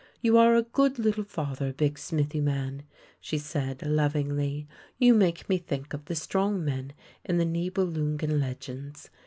" You are a good little father, big smithy man! " she said lovingly. " You make me think of the strong men in the Niebelungen legends.